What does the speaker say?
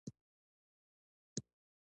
له معاش سره د انتظار حالت حقوق او امتیازات.